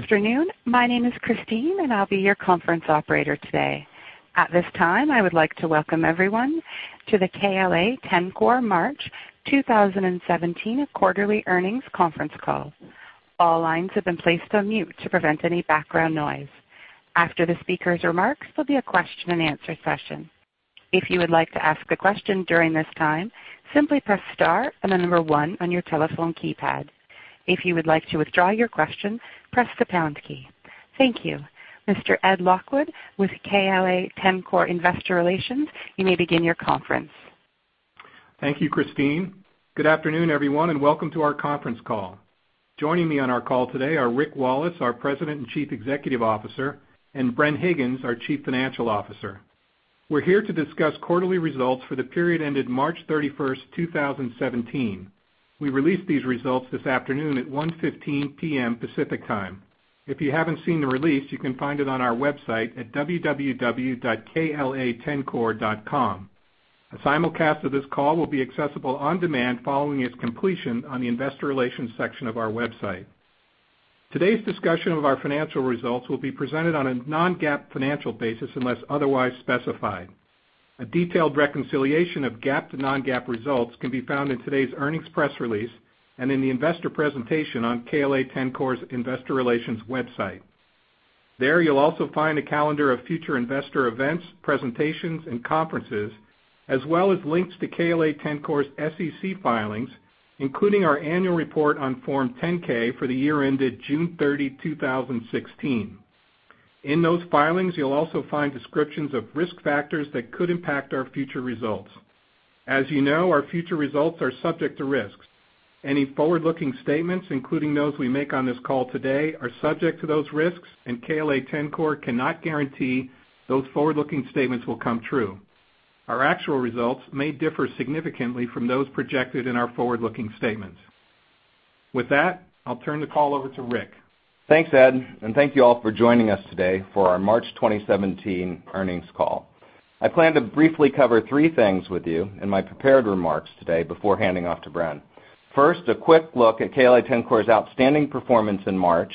Good afternoon. My name is Christine, and I'll be your conference operator today. At this time, I would like to welcome everyone to the KLA-Tencor March 2017 quarterly earnings conference call. All lines have been placed on mute to prevent any background noise. After the speaker's remarks, there'll be a question and answer session. If you would like to ask a question during this time, simply press star and the number 1 on your telephone keypad. If you would like to withdraw your question, press the pound key. Thank you. Mr. Ed Lockwood with KLA-Tencor Investor Relations, you may begin your conference. Thank you, Christine. Good afternoon, everyone, and welcome to our conference call. Joining me on our call today are Rick Wallace, our President and Chief Executive Officer, and Bren Higgins, our Chief Financial Officer. We're here to discuss quarterly results for the period ended March 31, 2017. We released these results this afternoon at 1:15 P.M. Pacific Time. If you haven't seen the release, you can find it on our website at www.klatencor.com. A simulcast of this call will be accessible on demand following its completion on the investor relations section of our website. Today's discussion of our financial results will be presented on a non-GAAP financial basis unless otherwise specified. A detailed reconciliation of GAAP to non-GAAP results can be found in today's earnings press release and in the investor presentation on KLA-Tencor's investor relations website. There, you'll also find a calendar of future investor events, presentations, and conferences, as well as links to KLA-Tencor's SEC filings, including our annual report on Form 10-K for the year ended June 30, 2016. In those filings, you'll also find descriptions of risk factors that could impact our future results. As you know, our future results are subject to risks. Any forward-looking statements, including those we make on this call today, are subject to those risks, and KLA-Tencor cannot guarantee those forward-looking statements will come true. Our actual results may differ significantly from those projected in our forward-looking statements. With that, I'll turn the call over to Rick. Thanks, Ed, and thank you all for joining us today for our March 2017 earnings call. I plan to briefly cover three things with you in my prepared remarks today before handing off to Bren. First, a quick look at KLA-Tencor's outstanding performance in March,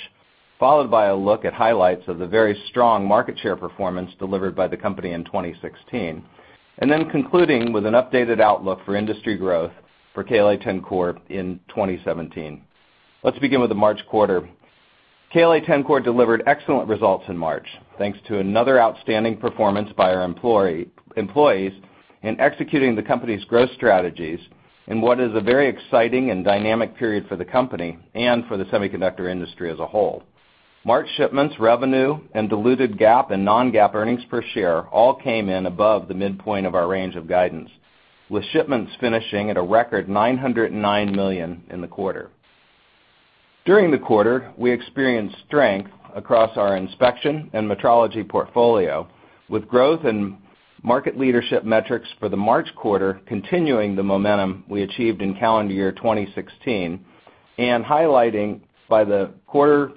followed by a look at highlights of the very strong market share performance delivered by the company in 2016, then concluding with an updated outlook for industry growth for KLA-Tencor in 2017. Let's begin with the March quarter. KLA-Tencor delivered excellent results in March, thanks to another outstanding performance by our employees in executing the company's growth strategies in what is a very exciting and dynamic period for the company and for the semiconductor industry as a whole. March shipments, revenue, and diluted GAAP and non-GAAP EPS all came in above the midpoint of our range of guidance, with shipments finishing at a record $909 million in the quarter. During the quarter, we experienced strength across our inspection and metrology portfolio, with growth in market leadership metrics for the March quarter continuing the momentum we achieved in calendar year 2016 and highlighting by the quarter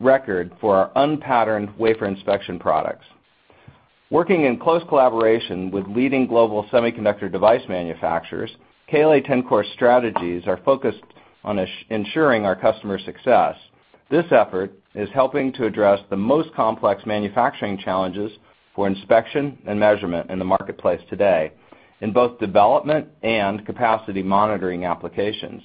record for our unpatterned wafer inspection products. Working in close collaboration with leading global semiconductor device manufacturers, KLA-Tencor strategies are focused on ensuring our customer success. This effort is helping to address the most complex manufacturing challenges for inspection and measurement in the marketplace today in both development and capacity monitoring applications.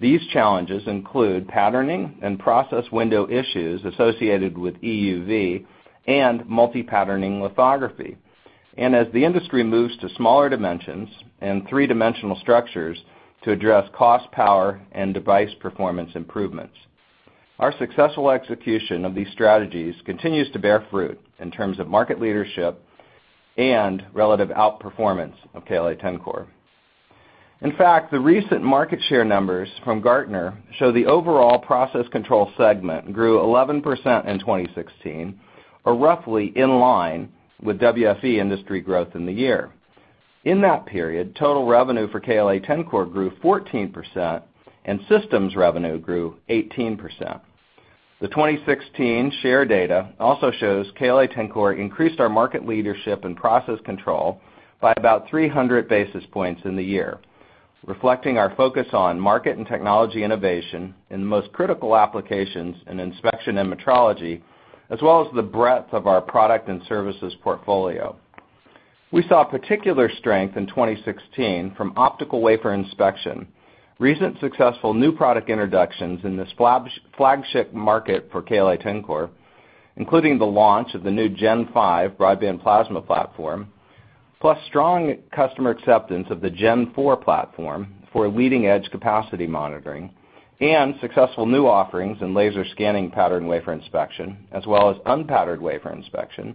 These challenges include patterning and process window issues associated with EUV and multi-patterning lithography. As the industry moves to smaller dimensions and three-dimensional structures to address cost, power, and device performance improvements. Our successful execution of these strategies continues to bear fruit in terms of market leadership and relative outperformance of KLA-Tencor. In fact, the recent market share numbers from Gartner show the overall process control segment grew 11% in 2016, or roughly in line with WFE industry growth in the year. In that period, total revenue for KLA-Tencor grew 14%, and systems revenue grew 18%. The 2016 share data also shows KLA-Tencor increased our market leadership in process control by about 300 basis points in the year, reflecting our focus on market and technology innovation in the most critical applications in inspection and metrology, as well as the breadth of our product and services portfolio. We saw particular strength in 2016 from optical wafer inspection. Recent successful new product introductions in this flagship market for KLA-Tencor, including the launch of the new 3900 Series broadband plasma platform, plus strong customer acceptance of the 29xx Series platform for leading-edge capacity monitoring, and successful new offerings in laser scanning patterned wafer inspection, as well as unpatterned wafer inspection,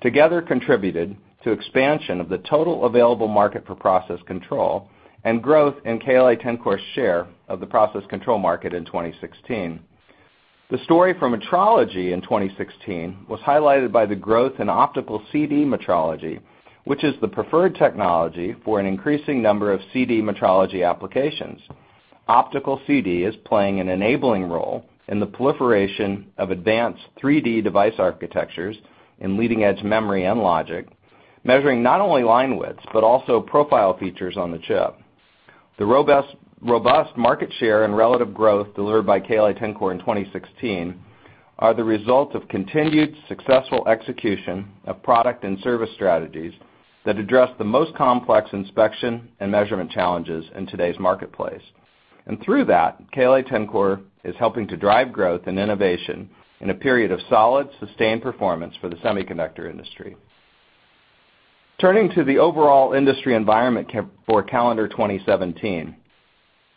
together contributed to expansion of the total available market for process control and growth in KLA-Tencor's share of the process control market in 2016. The story for metrology in 2016 was highlighted by the growth in optical CD metrology, which is the preferred technology for an increasing number of CD metrology applications. Optical CD is playing an enabling role in the proliferation of advanced 3D device architectures in leading-edge memory and logic, measuring not only line widths but also profile features on the chip. The robust market share and relative growth delivered by KLA-Tencor in 2016 are the result of continued successful execution of product and service strategies that address the most complex inspection and measurement challenges in today's marketplace. Through that, KLA-Tencor is helping to drive growth and innovation in a period of solid, sustained performance for the semiconductor industry. Turning to the overall industry environment for calendar 2017,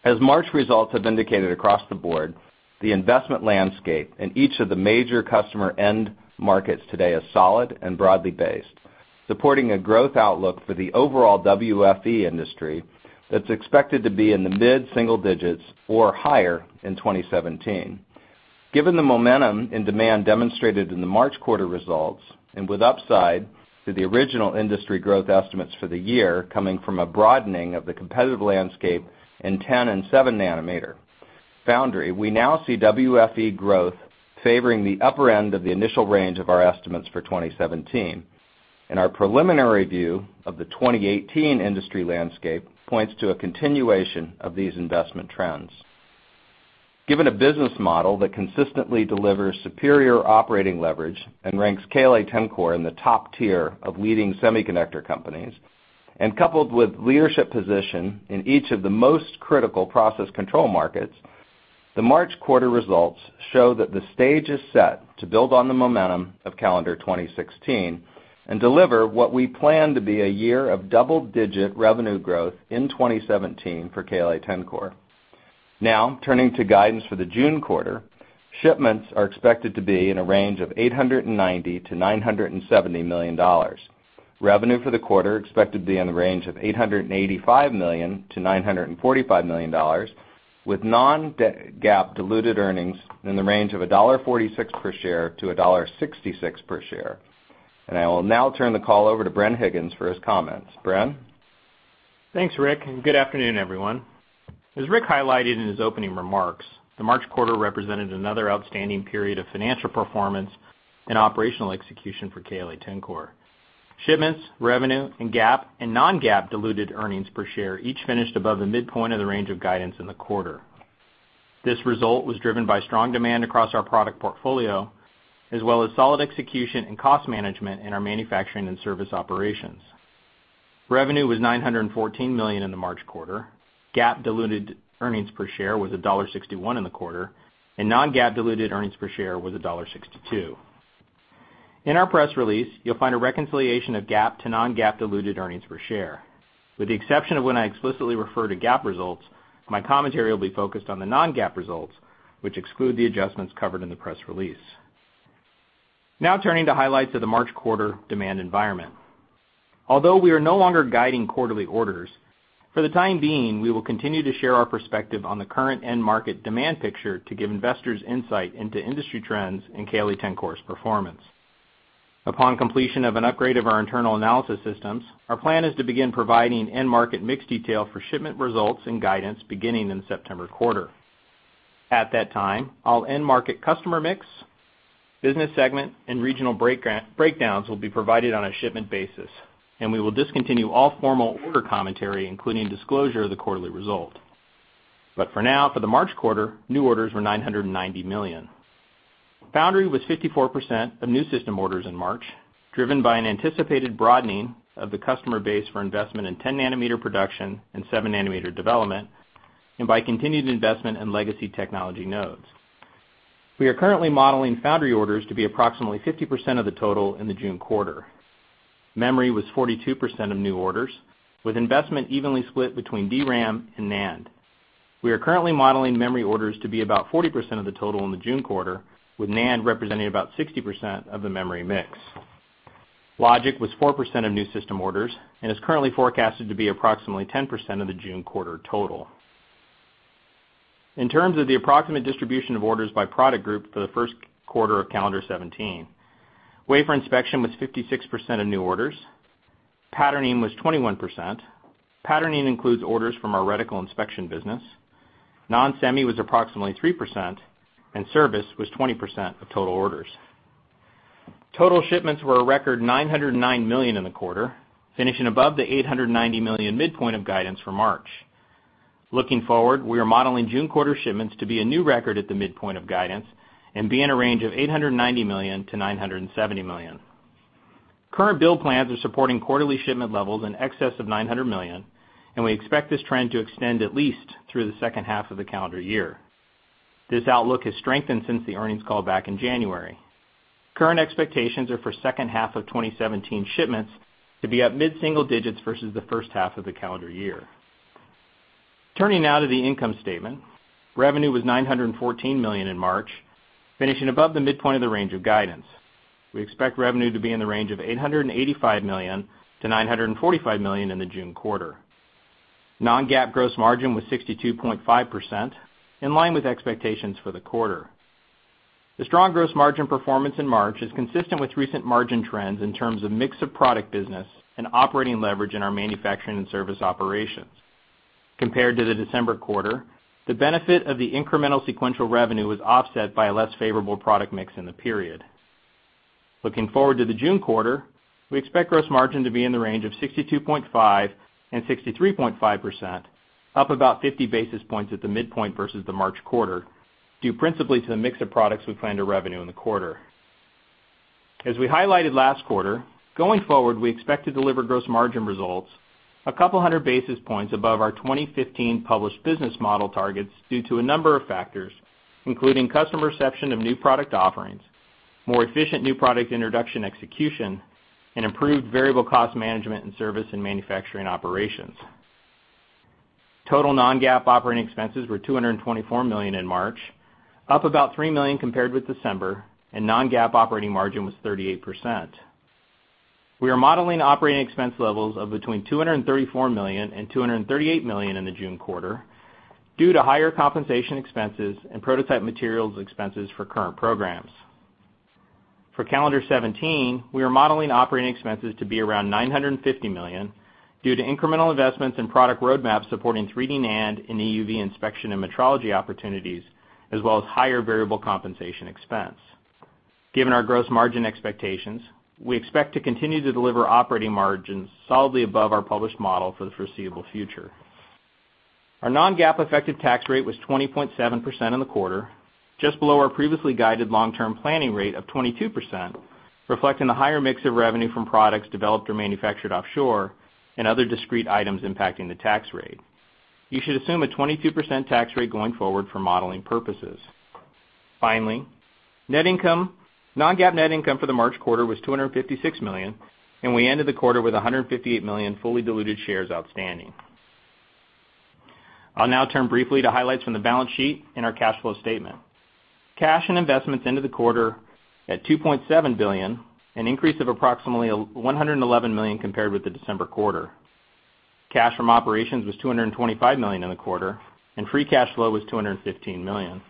as March results have indicated across the board, the investment landscape in each of the major customer end markets today is solid and broadly based, supporting a growth outlook for the overall WFE industry that's expected to be in the mid-single digits or higher in 2017. Given the momentum and demand demonstrated in the March quarter results, with upside to the original industry growth estimates for the year coming from a broadening of the competitive landscape in 10 and 7 nanometer foundry, we now see WFE growth favoring the upper end of the initial range of our estimates for 2017. Our preliminary view of the 2018 industry landscape points to a continuation of these investment trends. Given a business model that consistently delivers superior operating leverage and ranks KLA-Tencor in the top tier of leading semiconductor companies, coupled with leadership position in each of the most critical process control markets, the March quarter results show that the stage is set to build on the momentum of calendar 2016 and deliver what we plan to be a year of double-digit revenue growth in 2017 for KLA-Tencor. Now turning to guidance for the June quarter, shipments are expected to be in a range of $890 million-$970 million. Revenue for the quarter expected to be in the range of $885 million-$945 million, with non-GAAP diluted earnings in the range of $1.46 per share-$1.66 per share. I will now turn the call over to Bren Higgins for his comments. Bren? Thanks, Rick, and good afternoon, everyone. As Rick highlighted in his opening remarks, the March quarter represented another outstanding period of financial performance and operational execution for KLA-Tencor. Shipments, revenue, GAAP and non-GAAP diluted earnings per share each finished above the midpoint of the range of guidance in the quarter. This result was driven by strong demand across our product portfolio, as well as solid execution and cost management in our manufacturing and service operations. Revenue was $914 million in the March quarter, GAAP diluted earnings per share was $1.61 in the quarter, non-GAAP diluted earnings per share was $1.62. In our press release, you'll find a reconciliation of GAAP to non-GAAP diluted earnings per share. With the exception of when I explicitly refer to GAAP results, my commentary will be focused on the non-GAAP results, which exclude the adjustments covered in the press release. Now turning to highlights of the March quarter demand environment. Although we are no longer guiding quarterly orders, for the time being, we will continue to share our perspective on the current end market demand picture to give investors insight into industry trends and KLA-Tencor's performance. Upon completion of an upgrade of our internal analysis systems, our plan is to begin providing end market mix detail for shipment results and guidance beginning in the September quarter. At that time, all end market customer mix, business segment, and regional breakdowns will be provided on a shipment basis, we will discontinue all formal order commentary, including disclosure of the quarterly result. For now, for the March quarter, new orders were $990 million. Foundry was 54% of new system orders in March, driven by an anticipated broadening of the customer base for investment in 10 nanometer production and 7 nanometer development, and by continued investment in legacy technology nodes. We are currently modeling foundry orders to be approximately 50% of the total in the June quarter. Memory was 42% of new orders, with investment evenly split between DRAM and NAND. We are currently modeling memory orders to be about 40% of the total in the June quarter, with NAND representing about 60% of the memory mix. Logic was 4% of new system orders and is currently forecasted to be approximately 10% of the June quarter total. In terms of the approximate distribution of orders by product group for the first quarter of calendar 2017, wafer inspection was 56% of new orders. Patterning was 21%. Patterning includes orders from our reticle inspection business. Non-semi was approximately 3%. Service was 20% of total orders. Total shipments were a record $909 million in the quarter, finishing above the $890 million midpoint of guidance for March. Looking forward, we are modeling June quarter shipments to be a new record at the midpoint of guidance and be in a range of $890 million-$970 million. Current bill plans are supporting quarterly shipment levels in excess of $900 million, and we expect this trend to extend at least through the second half of the calendar year. This outlook has strengthened since the earnings call back in January. Current expectations are for second half of 2017 shipments to be up mid-single digits versus the first half of the calendar year. Turning now to the income statement. Revenue was $914 million in March, finishing above the midpoint of the range of guidance. We expect revenue to be in the range of $885 million-$945 million in the June quarter. Non-GAAP gross margin was 62.5%, in line with expectations for the quarter. The strong gross margin performance in March is consistent with recent margin trends in terms of mix of product business and operating leverage in our manufacturing and service operations. Compared to the December quarter, the benefit of the incremental sequential revenue was offset by a less favorable product mix in the period. Looking forward to the June quarter, we expect gross margin to be in the range of 62.5%-63.5%, up about 50 basis points at the midpoint versus the March quarter, due principally to the mix of products we plan to revenue in the quarter. As we highlighted last quarter, going forward, we expect to deliver gross margin results a couple hundred basis points above our 2015 published business model targets due to a number of factors, including customer reception of new product offerings, more efficient new product introduction execution, and improved variable cost management and service in manufacturing operations. Total non-GAAP operating expenses were $224 million in March, up about $3 million compared with December. Non-GAAP operating margin was 38%. We are modeling operating expense levels of between $234 million and $238 million in the June quarter due to higher compensation expenses and prototype materials expenses for current programs. For calendar 2017, we are modeling operating expenses to be around $950 million due to incremental investments in product roadmaps supporting 3D NAND and EUV inspection and metrology opportunities, as well as higher variable compensation expense. Given our gross margin expectations, we expect to continue to deliver operating margins solidly above our published model for the foreseeable future. Our non-GAAP effective tax rate was 20.7% in the quarter, just below our previously guided long-term planning rate of 22%, reflecting the higher mix of revenue from products developed or manufactured offshore and other discrete items impacting the tax rate. You should assume a 22% tax rate going forward for modeling purposes. Finally, non-GAAP net income for the March quarter was $256 million, and we ended the quarter with 158 million fully diluted shares outstanding. I'll now turn briefly to highlights from the balance sheet and our cash flow statement. Cash and investments ended the quarter at $2.7 billion, an increase of approximately $111 million compared with the December quarter. Cash from operations was $225 million in the quarter, and free cash flow was $215 million.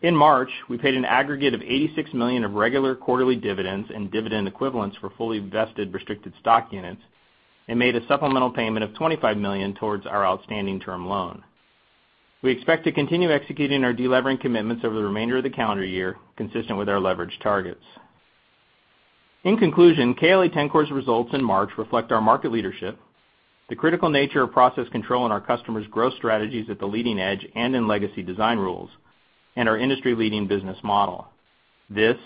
In March, we paid an aggregate of $86 million of regular quarterly dividends and dividend equivalents for fully vested restricted stock units and made a supplemental payment of $25 million towards our outstanding term loan. We expect to continue executing our de-levering commitments over the remainder of the calendar year, consistent with our leverage targets. In conclusion, KLA-Tencor's results in March reflect our market leadership, the critical nature of process control on our customers' growth strategies at the leading edge and in legacy design rules, and our industry-leading business model. This,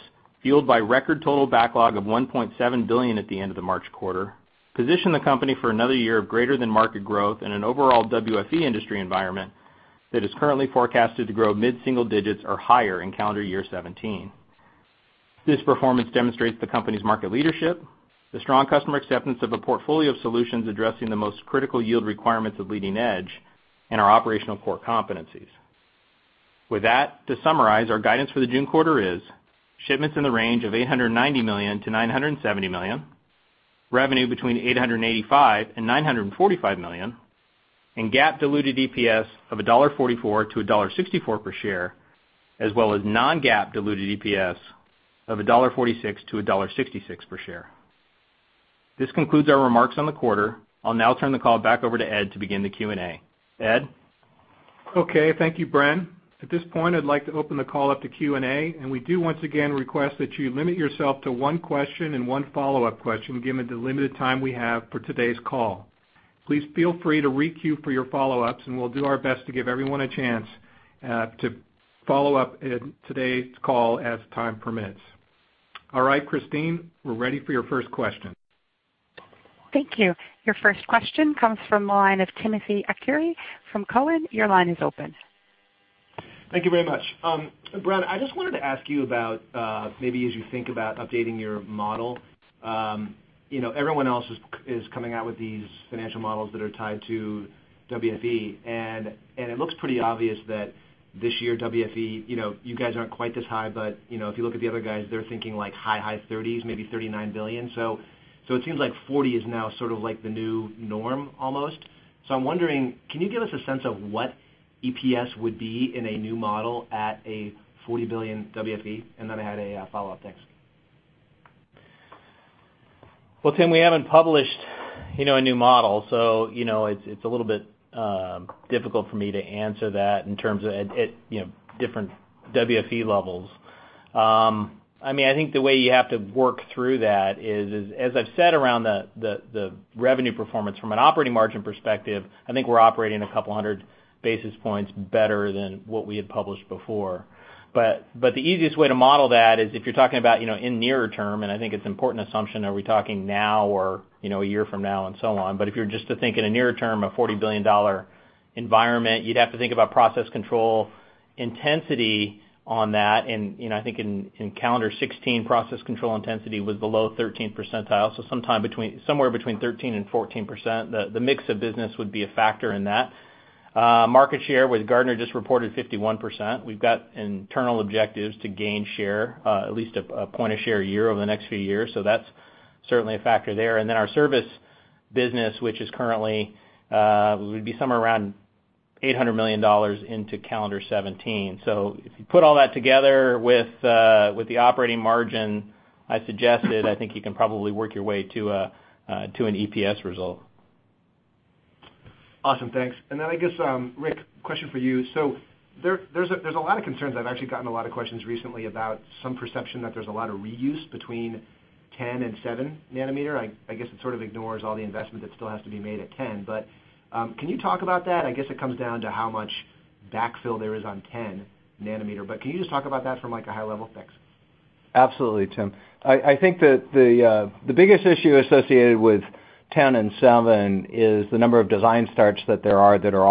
fueled by record total backlog of $1.7 billion at the end of the March quarter, position the company for another year of greater than market growth in an overall WFE industry environment that is currently forecasted to grow mid-single digits or higher in calendar year 2017. This performance demonstrates the company's market leadership, the strong customer acceptance of a portfolio of solutions addressing the most critical yield requirements of leading edge, and our operational core competencies. With that, to summarize, our guidance for the June quarter is shipments in the range of $890 million-$970 million, revenue between $885 million and $945 million, and GAAP diluted EPS of $1.44-$1.64 per share, as well as non-GAAP diluted EPS of $1.46-$1.66 per share. This concludes our remarks on the quarter. I'll now turn the call back over to Ed to begin the Q&A. Ed? Okay. Thank you, Bren. At this point, I'd like to open the call up to Q&A, and we do once again request that you limit yourself to one question and one follow-up question, given the limited time we have for today's call. Please feel free to re-queue for your follow-ups, and we'll do our best to give everyone a chance to follow up in today's call as time permits. All right, Christine, we're ready for your first question. Thank you. Your first question comes from the line of Timothy Arcuri from Cowen. Your line is open. Thank you very much. Bren, I just wanted to ask you about, maybe as you think about updating your model, everyone else is coming out with these financial models that are tied to WFE. It looks pretty obvious that this year, WFE, you guys aren't quite this high, but if you look at the other guys, they're thinking like high 30s, maybe $39 billion. It seems like $40 is now sort of like the new norm almost. I'm wondering, can you give us a sense of what EPS would be in a new model at a $40 billion WFE? I had a follow-up. Thanks. Well, Tim, we haven't published a new model, it's a little bit difficult for me to answer that in terms of at different WFE levels. I think the way you have to work through that is, as I've said around the revenue performance from an operating margin perspective, I think we're operating a couple of hundred basis points better than what we had published before. The easiest way to model that is if you're talking about in nearer term, I think it's an important assumption, are we talking now or a year from now and so on? If you're just to think in a nearer term, a $40 billion environment, you'd have to think about process control intensity on that. I think in calendar 2016, process control intensity was below 13%, somewhere between 13% and 14%. The mix of business would be a factor in that. Market share with Gartner just reported 51%. We've got internal objectives to gain share, at least a point of share a year over the next few years. That's certainly a factor there. Our service business, which is currently, would be somewhere around $800 million into calendar 2017. If you put all that together with the operating margin I suggested, I think you can probably work your way to an EPS result. Awesome. Thanks. I guess, Rick, question for you. There's a lot of concerns, I've actually gotten a lot of questions recently about some perception that there's a lot of reuse between 10 nanometer and 7 nanometer. I guess it sort of ignores all the investment that still has to be made at 10. Can you talk about that? I guess it comes down to how much backfill there is on 10 nanometer, can you just talk about that from a high level? Thanks. Absolutely, Tim. I think that the biggest issue associated with 10 and 7 is the number of design starts that there are that are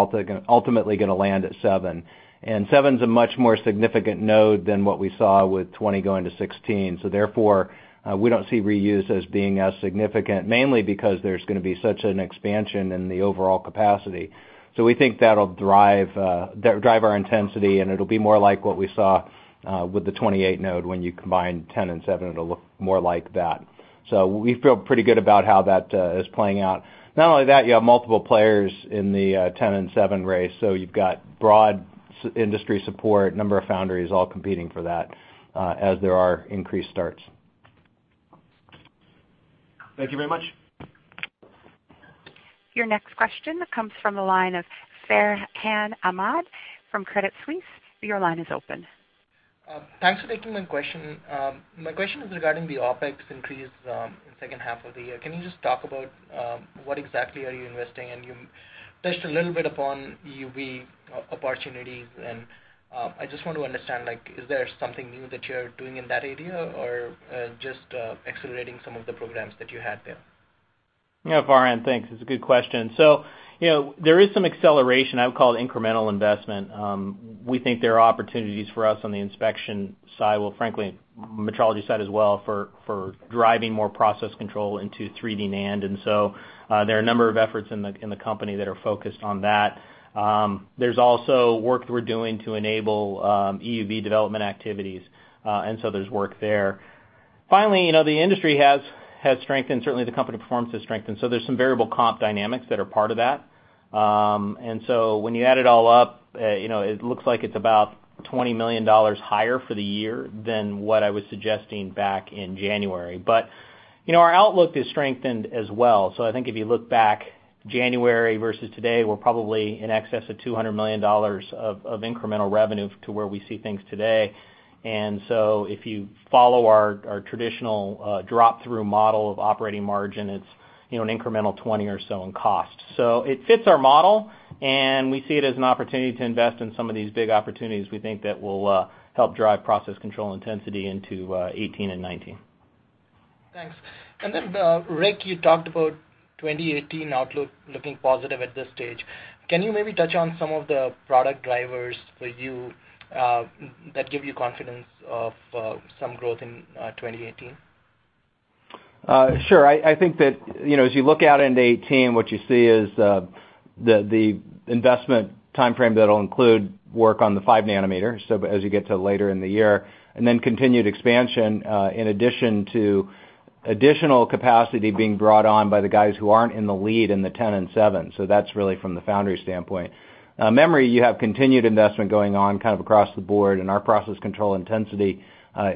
ultimately going to land at 7, and 7's a much more significant node than what we saw with 20 going to 16. Therefore, we don't see reuse as being as significant, mainly because there's going to be such an expansion in the overall capacity. We think that'll drive our intensity, and it'll be more like what we saw with the 28 node. When you combine 10 and 7, it'll look more like that. We feel pretty good about how that is playing out. Not only that, you have multiple players in the 10 and 7 race, you've got broad industry support, number of foundries all competing for that, as there are increased starts. Thank you very much. Your next question comes from the line of Farhan Ahmad from Credit Suisse. Your line is open. Thanks for taking my question. My question is regarding the OpEx increase in second half of the year. Can you just talk about what exactly are you investing in? You touched a little bit upon EUV opportunities, and I just want to understand, is there something new that you're doing in that area, or just accelerating some of the programs that you had there? Yeah, Farhan, thanks. It's a good question. There is some acceleration, I would call it incremental investment. We think there are opportunities for us on the inspection side, well frankly, metrology side as well, for driving more process control into 3D NAND, there are a number of efforts in the company that are focused on that. There's also work that we're doing to enable EUV development activities, there's work there. Finally, the industry has strengthened, certainly the company performance has strengthened, so there's some variable comp dynamics that are part of that. When you add it all up, it looks like it's about $20 million higher for the year than what I was suggesting back in January. Our outlook has strengthened as well. I think if you look back January versus today, we're probably in excess of $200 million of incremental revenue to where we see things today. If you follow our traditional drop-through model of operating margin, it's an incremental 20 or so in cost. It fits our model, and we see it as an opportunity to invest in some of these big opportunities we think that will help drive process control intensity into 2018 and 2019. Thanks. Rick, you talked about 2018 outlook looking positive at this stage. Can you maybe touch on some of the product drivers for you that give you confidence of some growth in 2018? Sure. I think that as you look out into 2018, what you see is the investment timeframe that'll include work on the 5-nanometer, as you get to later in the year, then continued expansion, in addition to additional capacity being brought on by the guys who aren't in the lead in the 10 and 7. That's really from the foundry standpoint. Memory, you have continued investment going on kind of across the board, and our process control intensity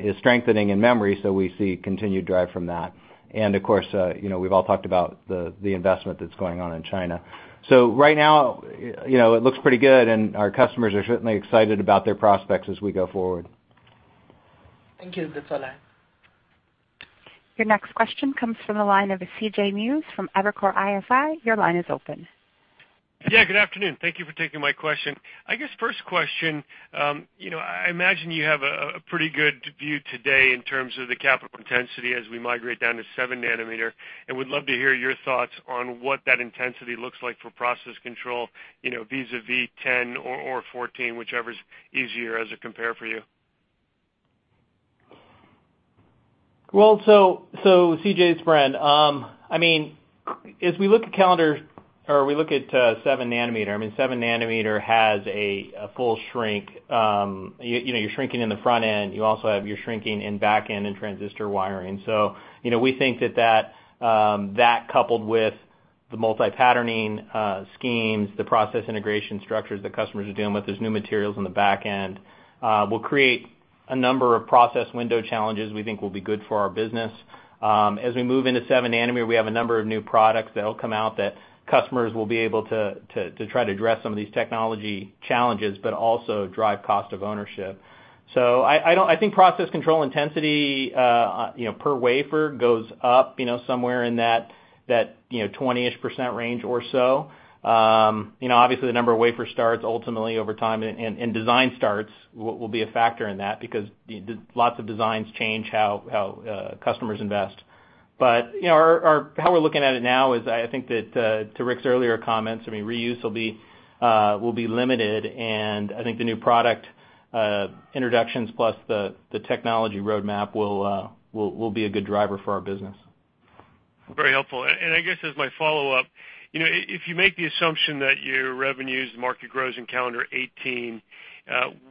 is strengthening in memory, we see continued drive from that. Of course, we've all talked about the investment that's going on in China. Right now, it looks pretty good, and our customers are certainly excited about their prospects as we go forward. Thank you. That's all I have. Your next question comes from the line of C.J. Muse from Evercore ISI. Your line is open. Good afternoon. Thank you for taking my question. I guess first question, I imagine you have a pretty good view today in terms of the capital intensity as we migrate down to 7-nanometer. I would love to hear your thoughts on what that intensity looks like for process control vis-a-vis 10 or 14, whichever is easier as a compare for you. C.J., it's Bren. As we look at 7-nanometer, 7-nanometer has a full shrink. You're shrinking in the front end. You also have your shrinking in back end and transistor wiring. We think that that coupled with the multi-patterning schemes, the process integration structures that customers are dealing with, there's new materials on the back end, will create a number of process window challenges we think will be good for our business. As we move into 7-nanometer, we have a number of new products that'll come out that customers will be able to try to address some of these technology challenges, but also drive cost of ownership. I think process control intensity per wafer goes up somewhere in that 20-ish% range or so. Obviously the number of wafer starts ultimately over time and design starts will be a factor in that because lots of designs change how customers invest. How we're looking at it now is, I think that to Rick's earlier comments, reuse will be limited, and I think the new product introductions plus the technology roadmap will be a good driver for our business. Very helpful. I guess as my follow-up, if you make the assumption that your revenues market grows in calendar 2018,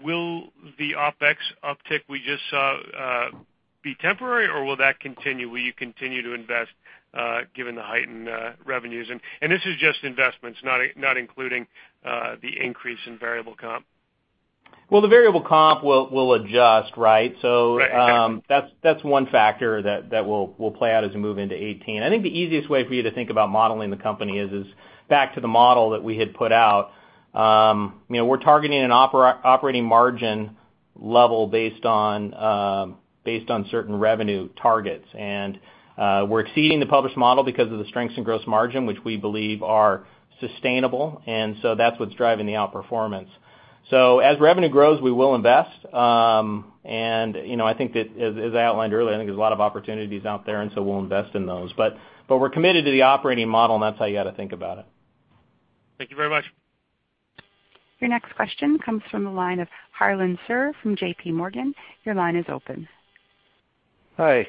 will the OpEx uptick we just saw be temporary, or will that continue? Will you continue to invest given the heightened revenues? This is just investments, not including the increase in variable comp. The variable comp will adjust, right? Right That's one factor that will play out as we move into 2018. I think the easiest way for you to think about modeling the company is back to the model that we had put out. We're targeting an operating margin level based on certain revenue targets. We're exceeding the published model because of the strengths in gross margin, which we believe are sustainable. That's what's driving the outperformance. As revenue grows, we will invest. I think that, as I outlined earlier, I think there's a lot of opportunities out there, we'll invest in those. We're committed to the operating model, and that's how you got to think about it. Thank you very much. Your next question comes from the line of Harlan Sur, from JP Morgan. Your line is open. Hi.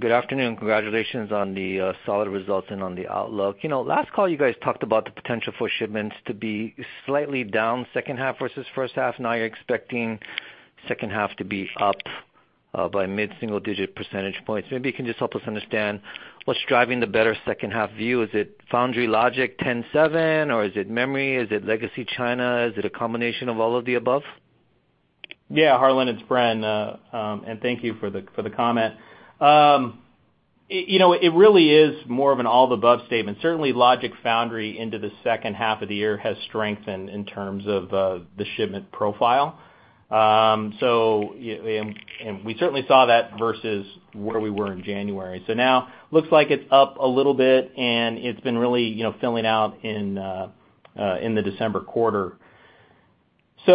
Good afternoon. Congratulations on the solid results and on the outlook. Last call, you guys talked about the potential for shipments to be slightly down second half versus first half. Now you're expecting second half to be up by mid-single digit percentage points. Maybe you can just help us understand what's driving the better second half view. Is it foundry logic 10 seven, or is it memory? Is it legacy China? Is it a combination of all of the above? Yeah, Harlan, it's Bren, thank you for the comment. It really is more of an all the above statement. Certainly, logic foundry into the second half of the year has strengthened in terms of the shipment profile. We certainly saw that versus where we were in January. Now looks like it's up a little bit, and it's been really filling out in the December quarter. We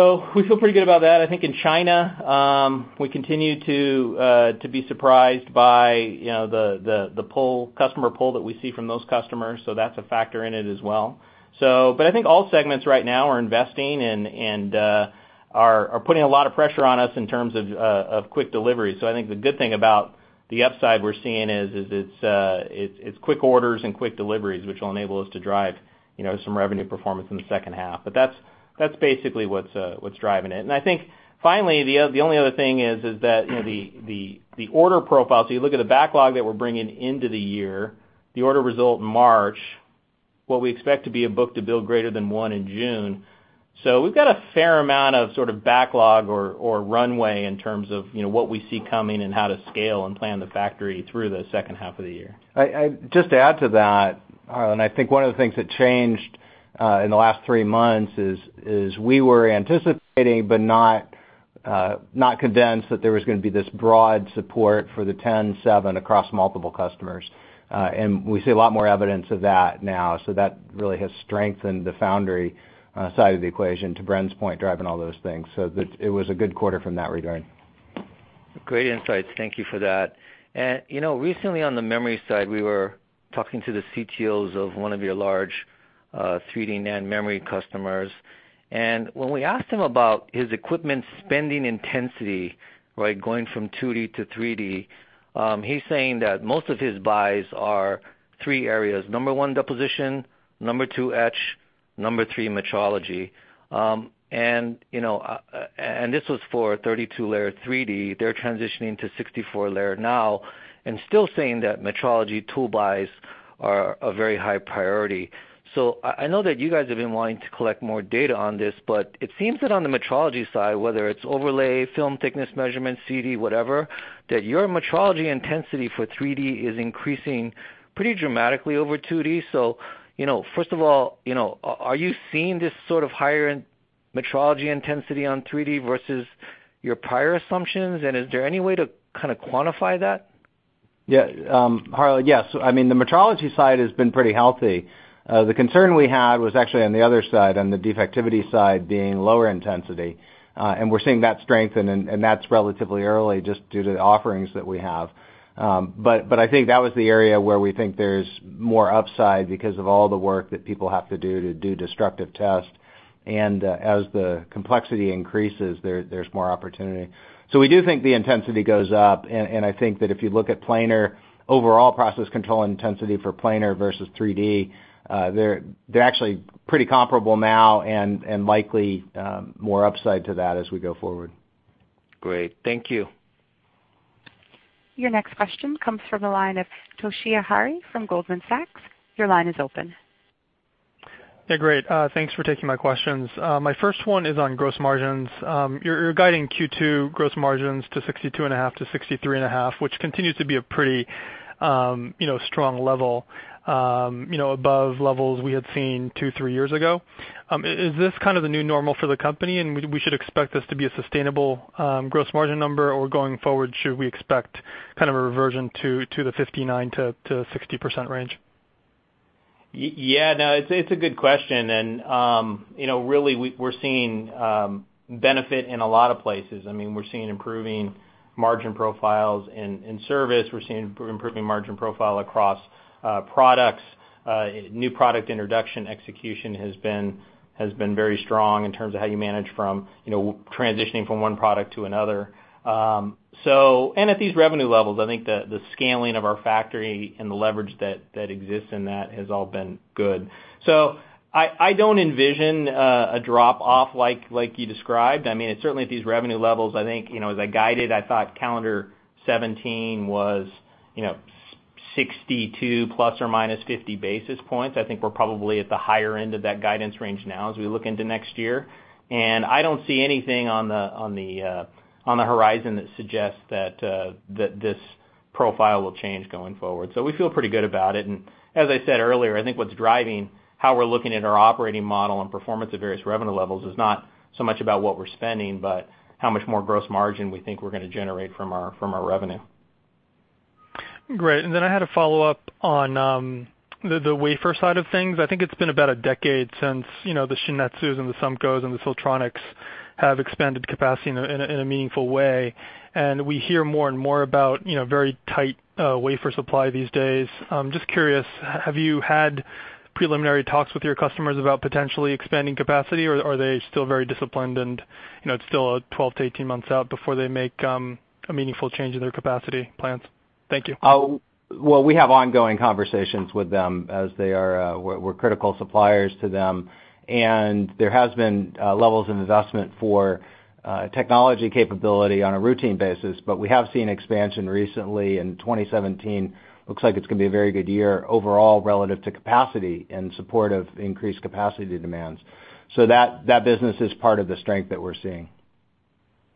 feel pretty good about that. I think in China, we continue to be surprised by the customer pull that we see from those customers, so that's a factor in it as well. I think all segments right now are investing and are putting a lot of pressure on us in terms of quick delivery. I think the good thing about the upside we're seeing is it's quick orders and quick deliveries, which will enable us to drive some revenue performance in the second half. That's basically what's driving it. I think finally, the only other thing is that the order profile, you look at the backlog that we're bringing into the year, the order result in March, what we expect to be a book-to-bill greater than one in June. We've got a fair amount of sort of backlog or runway in terms of what we see coming and how to scale and plan the factory through the second half of the year. Just to add to that, Harlan, I think one of the things that changed in the last three months is we were anticipating, but not convinced that there was going to be this broad support for the ten seven across multiple customers. We see a lot more evidence of that now, so that really has strengthened the foundry side of the equation, to Bren's point, driving all those things. It was a good quarter from that regard. Great insights. Thank you for that. Recently on the memory side, we were talking to the CTOs of one of your large 3D NAND memory customers, and when we asked him about his equipment spending intensity going from 2D to 3D, he's saying that most of his buys are 3 areas. Number 1, deposition, Number 2, etch, Number 3, metrology. This was for a 32-layer 3D. They're transitioning to 64-layer now and still saying that metrology tool buys are a very high priority. I know that you guys have been wanting to collect more data on this, but it seems that on the metrology side, whether it's overlay, film thickness measurement, CD, whatever, that your metrology intensity for 3D is increasing pretty dramatically over 2D. First of all, are you seeing this sort of higher metrology intensity on 3D versus your prior assumptions? Is there any way to kind of quantify that? Yeah, Harlan. Yes. The metrology side has been pretty healthy. The concern we had was actually on the other side, on the defectivity side, being lower intensity. We're seeing that strengthen, and that's relatively early just due to the offerings that we have. I think that was the area where we think there's more upside because of all the work that people have to do to do destructive tests. As the complexity increases, there's more opportunity. We do think the intensity goes up, and I think that if you look at planar, overall process control intensity for planar versus 3D, they're actually pretty comparable now and likely more upside to that as we go forward. Great. Thank you. Your next question comes from the line of Toshiya Hari from Goldman Sachs. Your line is open. Great. Thanks for taking my questions. My first one is on gross margins. You're guiding Q2 gross margins to 62.5%-63.5%, which continues to be a pretty strong level above levels we had seen two, three years ago. Is this kind of the new normal for the company, and we should expect this to be a sustainable gross margin number? Or going forward, should we expect kind of a reversion to the 59%-60% range? No, it's a good question. Really, we're seeing benefit in a lot of places. We're seeing improving margin profiles in service, we're seeing improving margin profile across products. New product introduction execution has been very strong in terms of how you manage from transitioning from one product to another. At these revenue levels, I think the scaling of our factory and the leverage that exists in that has all been good. I don't envision a drop-off like you described. Certainly at these revenue levels, I think as I guided, I thought calendar 2017 was sp- 62% ±50 basis points. I think we're probably at the higher end of that guidance range now as we look into next year. I don't see anything on the horizon that suggests that this profile will change going forward. We feel pretty good about it. As I said earlier, I think what's driving how we're looking at our operating model and performance at various revenue levels is not so much about what we're spending, but how much more gross margin we think we're going to generate from our revenue. Great. Then I had a follow-up on the wafer side of things. I think it's been about a decade since the Shin-Etsu and the SUMCO and the Siltronic have expanded capacity in a meaningful way. We hear more and more about very tight wafer supply these days. Just curious, have you had preliminary talks with your customers about potentially expanding capacity or are they still very disciplined, and it's still a 12-18 months out before they make a meaningful change in their capacity plans? Thank you. Well, we have ongoing conversations with them as we're critical suppliers to them. There has been levels of investment for technology capability on a routine basis, but we have seen expansion recently, and 2017 looks like it's going to be a very good year overall relative to capacity in support of increased capacity demands. That business is part of the strength that we're seeing.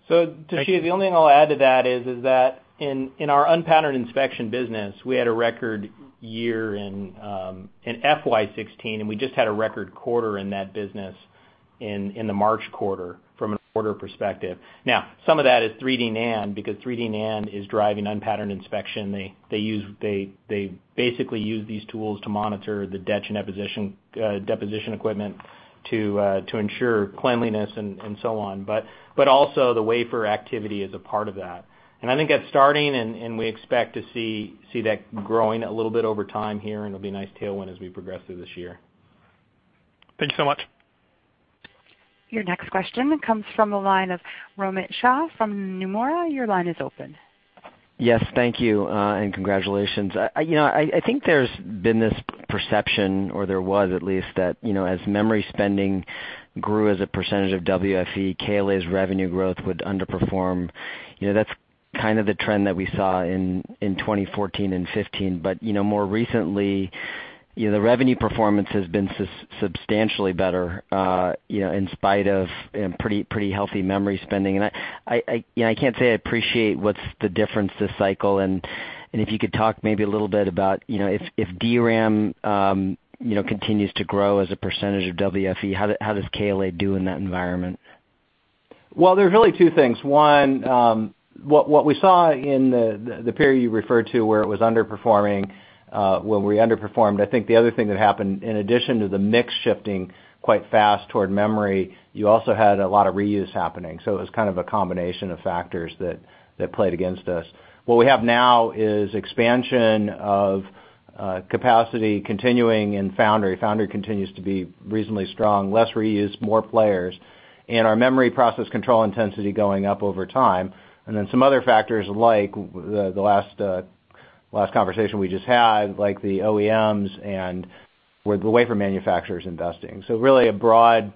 Thank you. Toshi, the only thing I'll add to that is that in our unpatterned inspection business, we had a record year in FY 2016, and we just had a record quarter in that business in the March quarter from an order perspective. Now, some of that is 3D NAND, because 3D NAND is driving unpatterned inspection. They basically use these tools to monitor the deposition equipment to ensure cleanliness and so on. Also the wafer activity is a part of that. I think that's starting, and we expect to see that growing a little bit over time here, and it'll be a nice tailwind as we progress through this year. Thank you so much. Your next question comes from the line of Romit Shah from Nomura. Your line is open. Yes, thank you, and congratulations. I think there's been this perception, or there was at least that, as memory spending grew as a % of WFE, KLA's revenue growth would underperform. That's kind of the trend that we saw in 2014 and 2015. More recently, the revenue performance has been substantially better in spite of pretty healthy memory spending. I can't say I appreciate what's the difference this cycle, and if you could talk maybe a little bit about if DRAM continues to grow as a % of WFE, how does KLA do in that environment? Well, there's really two things. One, what we saw in the period you referred to where it was underperforming, where we underperformed, I think the other thing that happened, in addition to the mix shifting quite fast toward memory, you also had a lot of reuse happening. It was kind of a combination of factors that played against us. What we have now is expansion of capacity continuing in foundry. Foundry continues to be reasonably strong, less reuse, more players, and our memory process control intensity going up over time. Then some other factors like the last conversation we just had, like the OEMs and with the wafer manufacturers investing. Really a broad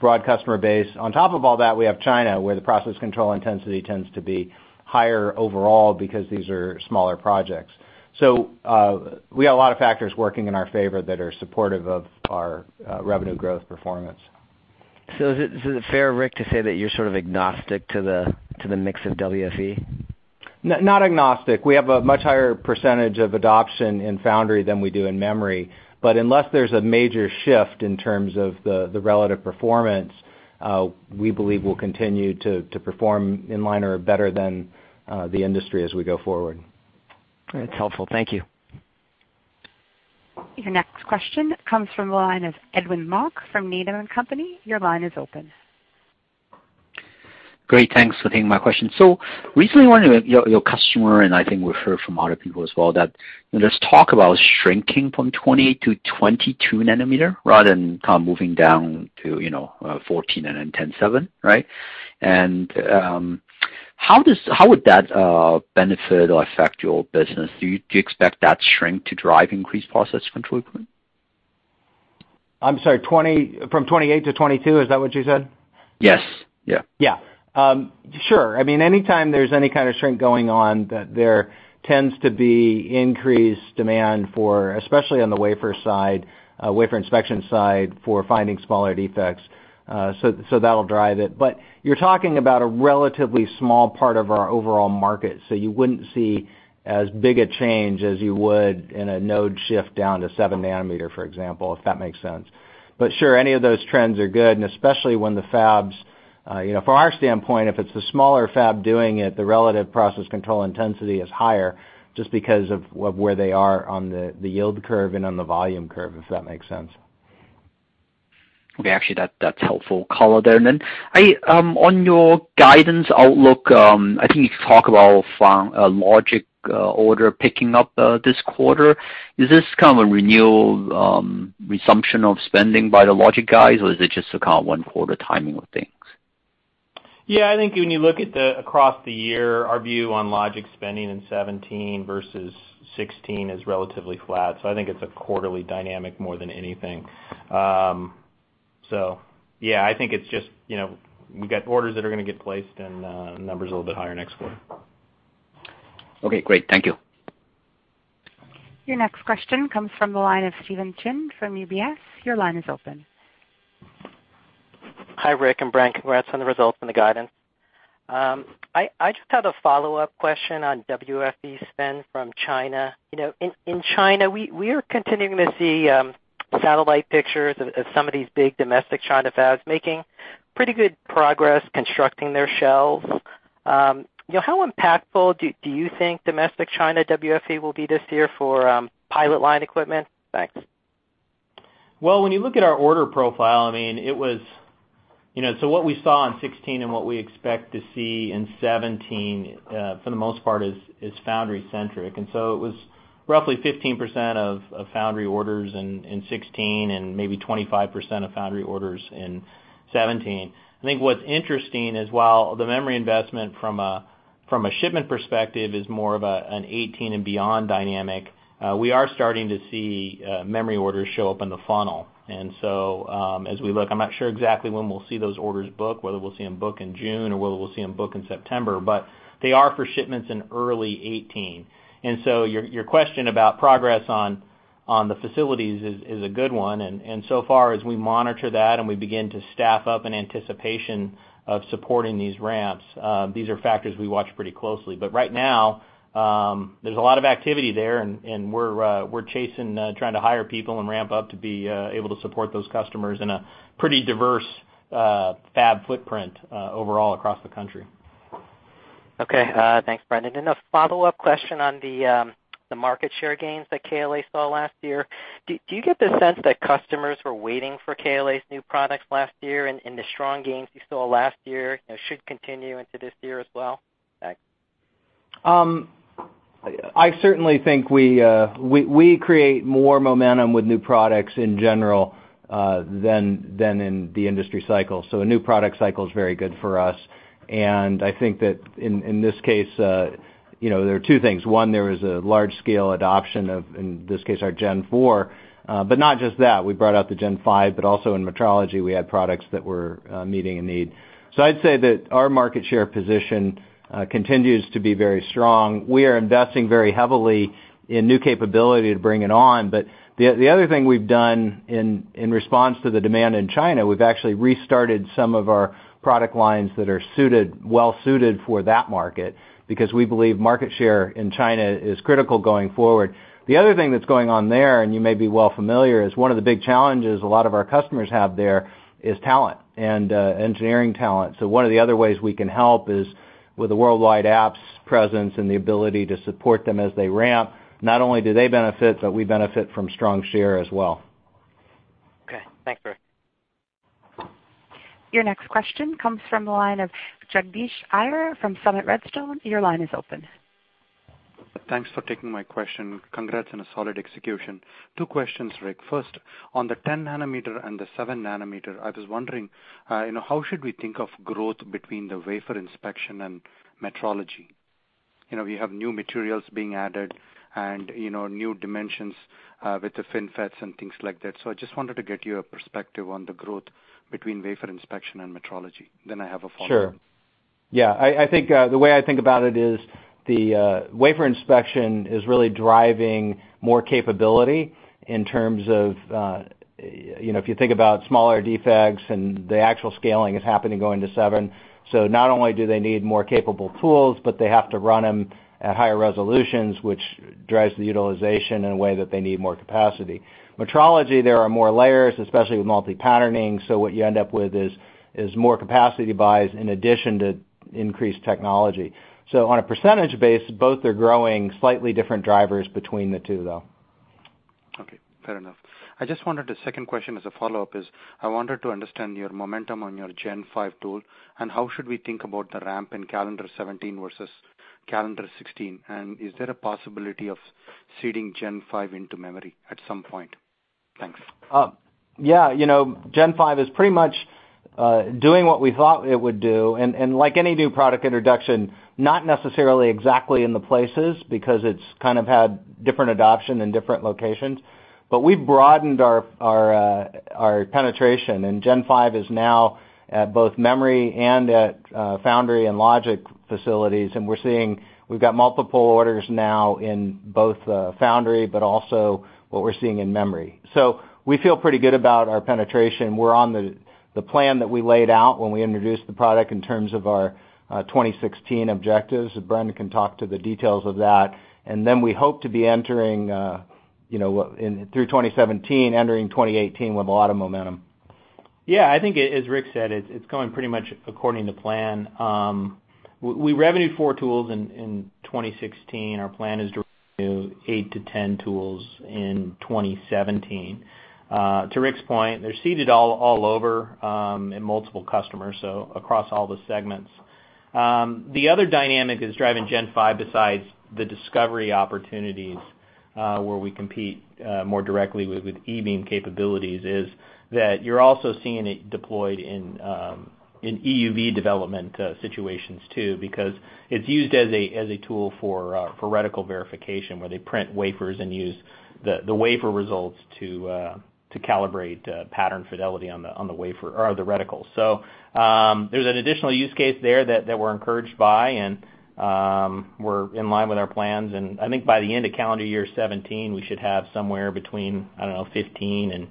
customer base. On top of all that, we have China, where the process control intensity tends to be higher overall because these are smaller projects. We got a lot of factors working in our favor that are supportive of our revenue growth performance. Is it fair, Rick, to say that you're sort of agnostic to the mix of WFE? Not agnostic. We have a much higher % of adoption in foundry than we do in memory. Unless there's a major shift in terms of the relative performance, we believe we'll continue to perform in line or better than the industry as we go forward. That's helpful. Thank you. Your next question comes from the line of Edwin Mok from Needham & Company. Your line is open. Great. Thanks for taking my question. Recently, one of your customer, and I think we've heard from other people as well, that there's talk about shrinking from 28 to 22 nanometer rather than kind of moving down to 14 and then 10/7. Right? How would that benefit or affect your business? Do you expect that shrink to drive increased process control equipment? I'm sorry, from 28 to 22, is that what you said? Yes. Yeah. Yeah. Sure. I mean, anytime there's any kind of shrink going on, there tends to be increased demand for, especially on the wafer side, wafer inspection side, for finding smaller defects. That'll drive it. You're talking about a relatively small part of our overall market, so you wouldn't see as big a change as you would in a node shift down to seven nanometer, for example, if that makes sense. Sure, any of those trends are good, and especially when the fabs, From our standpoint, if it's the smaller fab doing it, the relative process control intensity is higher just because of where they are on the yield curve and on the volume curve, if that makes sense. Okay, actually, that's helpful color there. On your guidance outlook, I think you talk about logic order picking up this quarter. Is this kind of a renewal resumption of spending by the logic guys, or is it just kind of one quarter timing of things? Yeah, I think when you look at across the year, our view on logic spending in 2017 versus 2016 is relatively flat. I think it's a quarterly dynamic more than anything. Yeah, I think we've got orders that are going to get placed and the numbers a little bit higher next quarter. Okay, great. Thank you. Your next question comes from the line of Stephen Chin from UBS. Your line is open. Hi, Rick and Bren. Congrats on the results and the guidance. I just had a follow-up question on WFE spend from China. In China, we are continuing to see satellite pictures of some of these big domestic China fabs making pretty good progress constructing their shells. How impactful do you think domestic China WFE will be this year for pilot line equipment? Thanks. When you look at our order profile, what we saw in 2016 and what we expect to see in 2017, for the most part, is foundry centric. It was roughly 15% of foundry orders in 2016 and maybe 25% of foundry orders in 2017. I think what's interesting is while the memory investment from a shipment perspective is more of a 2018 and beyond dynamic, we are starting to see memory orders show up in the funnel. As we look, I'm not sure exactly when we'll see those orders book, whether we'll see them book in June or whether we'll see them book in September, but they are for shipments in early 2018. Your question about progress on the facilities is a good one, and so far as we monitor that and we begin to staff up in anticipation of supporting these ramps, these are factors we watch pretty closely. Right now, there's a lot of activity there, and we're chasing, trying to hire people and ramp up to be able to support those customers in a pretty diverse fab footprint overall across the country. Okay, thanks, Bren. A follow-up question on the market share gains that KLA saw last year. Do you get the sense that customers were waiting for KLA's new products last year, and the strong gains you saw last year should continue into this year as well? Thanks. I certainly think we create more momentum with new products in general, than in the industry cycle. A new product cycle is very good for us, and I think that in this case, there are two things. One, there was a large-scale adoption of, in this case, our 29xx Series. Not just that, we brought out the 3900 Series, but also in metrology, we had products that were meeting a need. I'd say that our market share position continues to be very strong. We are investing very heavily in new capability to bring it on. The other thing we've done in response to the demand in China, we've actually restarted some of our product lines that are well-suited for that market, because we believe market share in China is critical going forward. The other thing that's going on there, and you may be well familiar, is one of the big challenges a lot of our customers have there is talent, and engineering talent. One of the other ways we can help is with the worldwide apps presence and the ability to support them as they ramp. Not only do they benefit, but we benefit from strong share as well. Okay, thanks, Rick. Your next question comes from the line of Jagadish Iyer from Summit Redstone. Your line is open. Thanks for taking my question. Congrats on a solid execution. Two questions, Rick. First, on the 10-nanometer and the 7-nanometer, I was wondering, how should we think of growth between the wafer inspection and metrology? We have new materials being added and new dimensions, with the FinFETs and things like that. I just wanted to get your perspective on the growth between wafer inspection and metrology. I have a follow-up. Sure. Yeah, the way I think about it is the wafer inspection is really driving more capability in terms of, if you think about smaller defects and the actual scaling is happening going to 7, so not only do they need more capable tools, but they have to run them at higher resolutions, which drives the utilization in a way that they need more capacity. Metrology, there are more layers, especially with multi-patterning, so what you end up with is more capacity buys in addition to increased technology. On a percentage base, both are growing, slightly different drivers between the two, though. Okay, fair enough. The second question as a follow-up is, I wanted to understand your momentum on your 3900 Series tool, and how should we think about the ramp in calendar 2017 versus calendar 2016? Is there a possibility of seeding 3900 Series into memory at some point? Thanks. Yeah. 3900 Series is pretty much doing what we thought it would do, and like any new product introduction, not necessarily exactly in the places, because it's kind of had different adoption in different locations, but we've broadened our penetration, and 3900 Series is now at both memory and at foundry and logic facilities, and we've got multiple orders now in both foundry, but also what we're seeing in memory. We feel pretty good about our penetration. We're on the plan that we laid out when we introduced the product in terms of our 2016 objectives. Bren can talk to the details of that. We hope to, through 2017, entering 2018 with a lot of momentum. I think, as Rick said, it's going pretty much according to plan. We revenued four tools in 2016. Our plan is to revenue eight to 10 tools in 2017. To Rick's point, they're seeded all over in multiple customers, across all the segments. The other dynamic that's driving 3900 Series besides the discovery opportunities, where we compete more directly with E-beam capabilities, is that you're also seeing it deployed in EUV development situations too, because it's used as a tool for reticle verification, where they print wafers and use The wafer results to calibrate pattern fidelity on the wafer or the reticle. There's an additional use case there that we're encouraged by, and we're in line with our plans. I think by the end of calendar year 2017, we should have somewhere between, I don't know, 15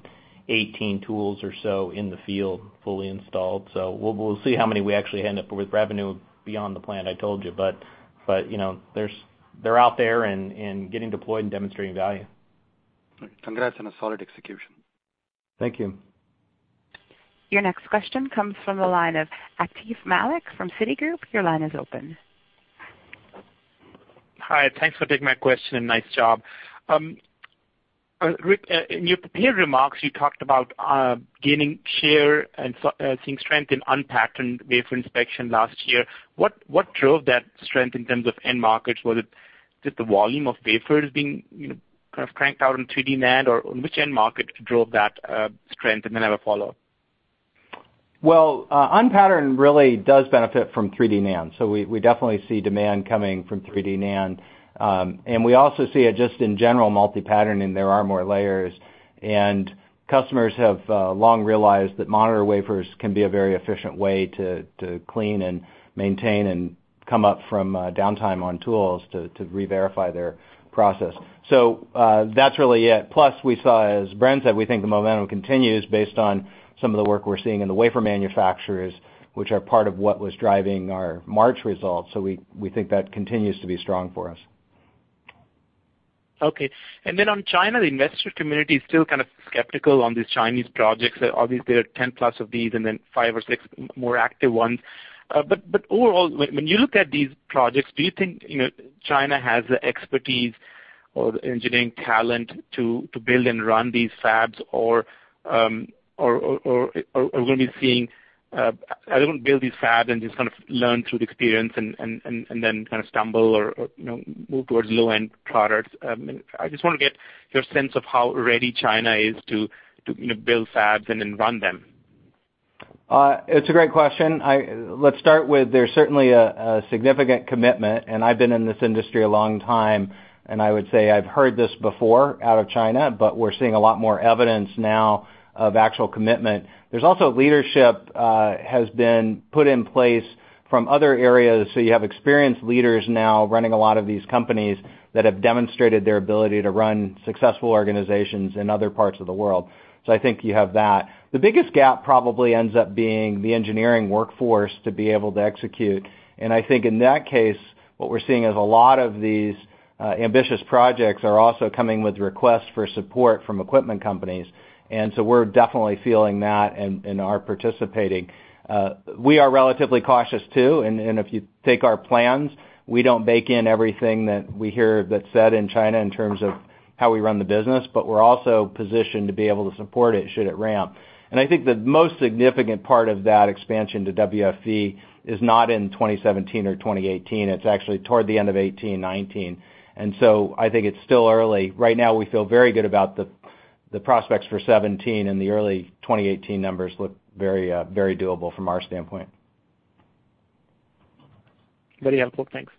and 18 tools or so in the field, fully installed. We'll see how many we actually end up with revenue beyond the plan I told you, but they're out there and getting deployed and demonstrating value. Right. Congrats on a solid execution. Thank you. Your next question comes from the line of Atif Malik from Citigroup. Your line is open. Hi. Thanks for taking my question, and nice job. Rick, in your prepared remarks, you talked about gaining share and seeing strength in unpatterned wafer inspection last year. What drove that strength in terms of end markets? Was it just the volume of wafers being kind of cranked out in 3D NAND, or which end market drove that strength? Then I have a follow-up. Well, unpatterned really does benefit from 3D NAND. We definitely see demand coming from 3D NAND. We also see it just in general, multi-patterning, there are more layers, and customers have long realized that monitor wafers can be a very efficient way to clean and maintain and come up from downtime on tools to re-verify their process. That's really it. Plus, we saw, as Bren said, we think the momentum continues based on some of the work we're seeing in the wafer manufacturers, which are part of what was driving our March results. We think that continues to be strong for us. Okay. Then on China, the investor community is still kind of skeptical on these Chinese projects. Obviously, there are 10-plus of these and then five or six more active ones. Overall, when you look at these projects, do you think China has the expertise or the engineering talent to build and run these fabs, or are we going to be seeing everyone build these fabs and just kind of learn through the experience and then kind of stumble or move towards low-end products? I just want to get your sense of how ready China is to build fabs and then run them. It's a great question. Let's start with, there's certainly a significant commitment. I've been in this industry a long time. I would say I've heard this before out of China, but we're seeing a lot more evidence now of actual commitment. There's also leadership has been put in place from other areas. You have experienced leaders now running a lot of these companies that have demonstrated their ability to run successful organizations in other parts of the world. I think you have that. The biggest gap probably ends up being the engineering workforce to be able to execute. I think in that case, what we're seeing is a lot of these ambitious projects are also coming with requests for support from equipment companies. We're definitely feeling that and are participating. We are relatively cautious, too. If you take our plans, we don't bake in everything that we hear that's said in China in terms of how we run the business, but we're also positioned to be able to support it should it ramp. I think the most significant part of that expansion to WFE is not in 2017 or 2018. It's actually toward the end of 2018, 2019. I think it's still early. Right now, we feel very good about the prospects for 2017 and the early 2018 numbers look very doable from our standpoint. Very helpful. Thanks.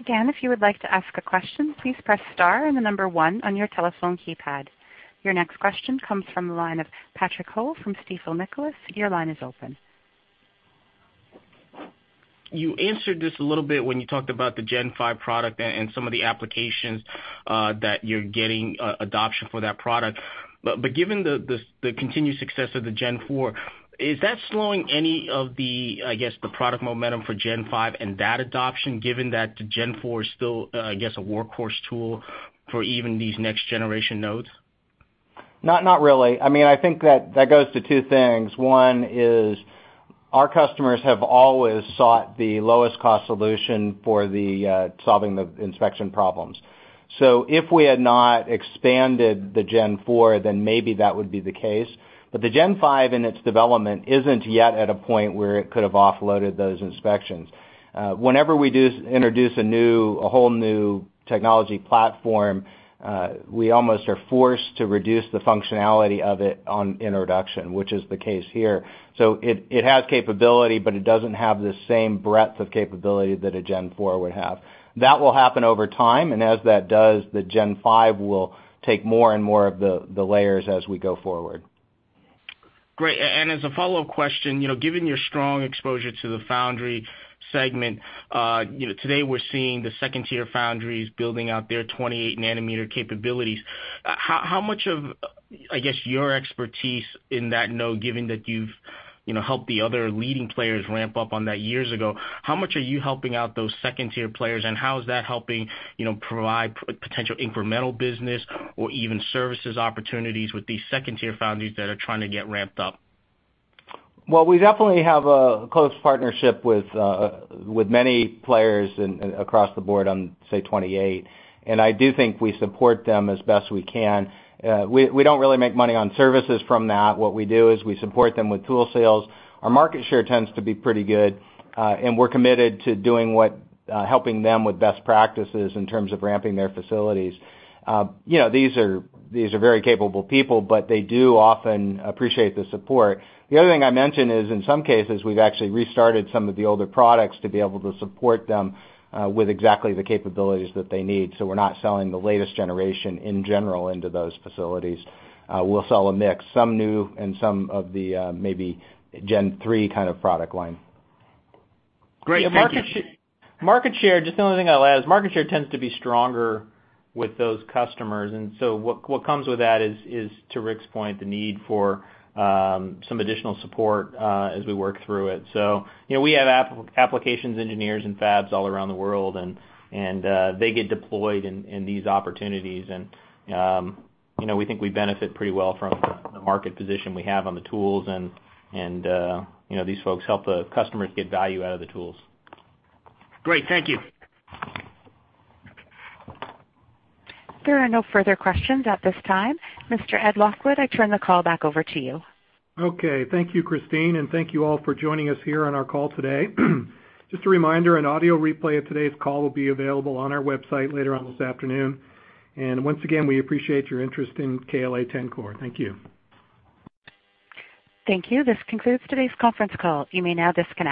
Again, if you would like to ask a question, please press star and the number 1 on your telephone keypad. Your next question comes from the line of Patrick Ho from Stifel Nicolaus. Your line is open. You answered this a little bit when you talked about the 3900 Series product and some of the applications that you're getting adoption for that product. Given the continued success of the 29xx Series, is that slowing any of the, I guess, the product momentum for 3900 Series and that adoption, given that the 29xx Series is still, I guess, a workhorse tool for even these next-generation nodes? Not really. I think that goes to two things. One is our customers have always sought the lowest-cost solution for solving the inspection problems. If we had not expanded the 29xx Series, then maybe that would be the case. The 3900 Series in its development isn't yet at a point where it could have offloaded those inspections. Whenever we do introduce a whole new technology platform, we almost are forced to reduce the functionality of it on introduction, which is the case here. It has capability, but it doesn't have the same breadth of capability that a 29xx Series would have. That will happen over time, and as that does, the 3900 Series will take more and more of the layers as we go forward. Great. As a follow-up question, given your strong exposure to the foundry segment, today we're seeing the second-tier foundries building out their 28-nanometer capabilities. How much of, I guess, your expertise in that node, given that you've helped the other leading players ramp up on that years ago, how much are you helping out those second-tier players, and how is that helping provide potential incremental business or even services opportunities with these second-tier foundries that are trying to get ramped up? Well, we definitely have a close partnership with many players across the board on, say, 28, I do think we support them as best we can. We don't really make money on services from that. What we do is we support them with tool sales. Our market share tends to be pretty good, we're committed to doing Helping them with best practices in terms of ramping their facilities. These are very capable people, they do often appreciate the support. The other thing I mention is, in some cases, we've actually restarted some of the older products to be able to support them, with exactly the capabilities that they need. We're not selling the latest generation in general into those facilities. We'll sell a mix, some new and some of the maybe Gen 3 kind of product line. Great. Thank you. Market share, just the only thing I'll add is market share tends to be stronger with those customers, and so what comes with that is, to Rick's point, the need for some additional support as we work through it. We have applications engineers and fabs all around the world, and they get deployed in these opportunities, and we think we benefit pretty well from the market position we have on the tools, and these folks help the customers get value out of the tools. Great. Thank you. There are no further questions at this time. Mr. Ed Lockwood, I turn the call back over to you. Okay. Thank you, Christine, and thank you all for joining us here on our call today. Just a reminder, an audio replay of today's call will be available on our website later on this afternoon. Once again, we appreciate your interest in KLA-Tencor. Thank you. Thank you. This concludes today's conference call. You may now disconnect.